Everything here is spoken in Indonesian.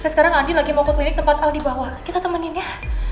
sekarang lagi mau ke tempat al dibawa kita temenin ya